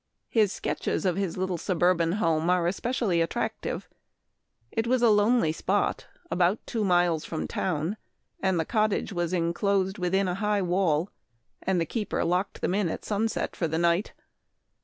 His sketches of his little suburban home are especially attractive. It was a lonely spot, about two miles from town, and the cottage was inclosed within a high wall, and the keeper locked them in at sunset for the night.